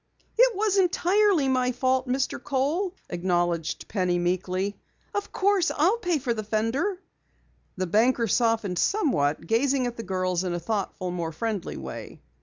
"It was entirely my fault, Mr. Kohl," acknowledged Penny meekly. "Of course, I'll pay for the fender." The banker softened somewhat, gazing at the girls in a thoughtful, more friendly way.